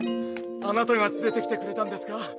あなたが連れてきてくれたんですか？